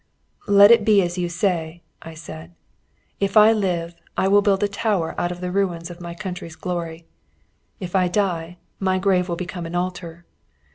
"Let it be as you say," I said.... "If I live I will build a tower out of the ruins of my country's glory; if I die, my grave will become an altar.